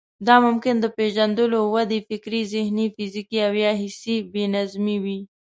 دا ممکن د پېژندلو، ودې، فکري، ذهني، فزيکي او يا حسي بې نظمي وي.